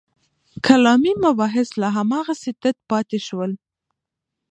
کلامي مباحث لا هماغسې تت پاتې شول.